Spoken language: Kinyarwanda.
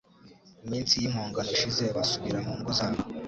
iminsi y impongano ishize basubira mu ngo zabo